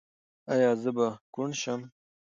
ایا زه به کڼ شم؟